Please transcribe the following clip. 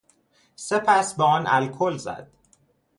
سپس به آن الکل زد.